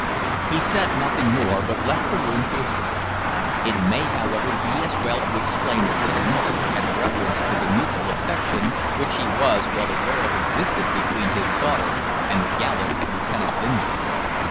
He said nothing more, but left the room hastily. It may however be as well to explain that his remark had reference to the mutual affection which he was well aware existed between his daughter and the gallant Lieutenant Lindsay.